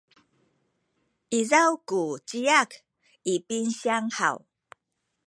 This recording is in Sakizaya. izaw ku ciyak i pinsiyang haw?